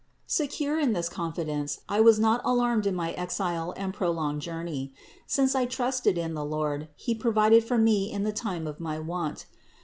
Secure in this confidence, I was not alarmed in my exile and prolonged journey. Since I trusted in the Lord, He provided for me in the time of my need.